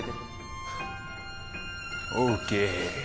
ＯＫ。